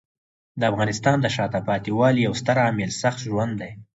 د افغانستان د شاته پاتې والي یو ستر عامل سخت ژوند دی.